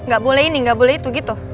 gak boleh ini nggak boleh itu gitu